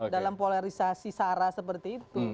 dalam polarisasi sara seperti itu